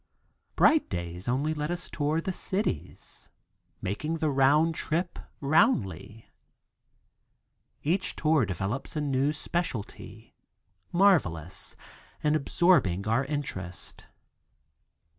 Bright days only let us out to tour the cities, making the round trip roundly. Each tour develops a new specialty, marvelous and absorbing our interest.